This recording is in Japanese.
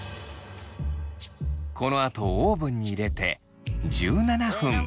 このあとオーブンに入れて１７分。